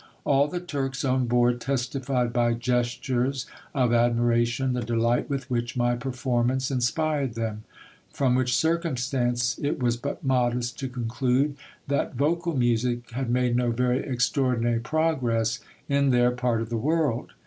All the Turks on board testified by gestures of admiration the delight with which my performance inspired them ; from which circumstance it was but modest to conclude, that vocal music had made no very extraordinary progress in their part of the world.